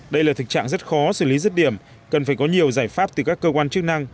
đây là thực trạng rất khó xử lý rứt điểm cần phải có nhiều giải pháp từ các cơ quan chức năng